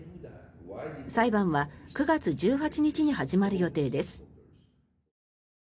裁判は９月１８日に始まる予定です。